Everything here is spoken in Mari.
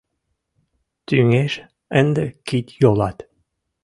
Тӱҥеш ынде кид-йолат...